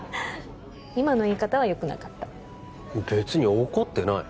今の言い方はよくなかった別に怒ってない